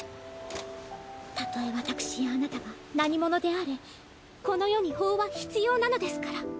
たとえ私やあなたが何者であれこの世に法は必要なのですから。